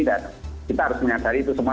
dan kita harus menyadari itu semua